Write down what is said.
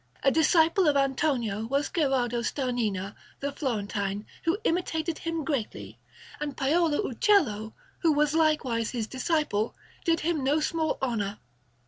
A disciple of Antonio was Gherardo Starnina, the Florentine, who imitated him greatly; and Paolo Uccello, who was likewise his disciple, did him no small honour.